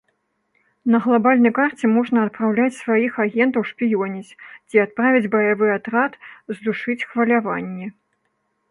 На глабальнай карце можна адпраўляць сваіх агентаў шпіёніць ці адправіць баявы атрад здушыць хваляванні.